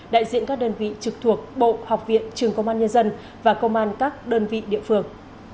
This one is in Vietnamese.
đại diện các đơn vị trực thuộc bộ học viện trường công an nhân dân và công an các đơn vị địa phương